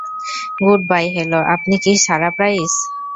Goodbye hello আপনি কি সারা প্রাইস?